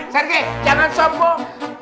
sergei jangan sombong